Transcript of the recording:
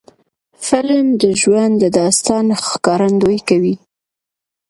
فلم د ژوند د داستان ښکارندویي کوي